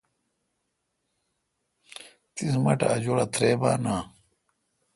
تیس مہ ٹھ ا جوڑہ ترےبان آں